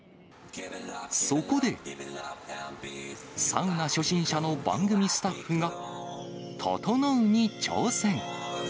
そこで、サウナ初心者の番組スタッフが、ととのうに挑戦。